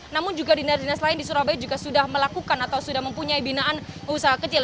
namun juga dinas dinas lain di surabaya juga sudah melakukan atau sudah mempunyai binaan usaha kecil